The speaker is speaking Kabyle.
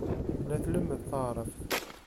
La tlemmed taɛṛabt.